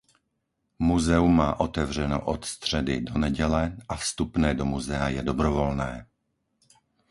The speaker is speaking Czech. Muzeum má otevřeno od středy do neděle a vstupné do muzea je dobrovolné.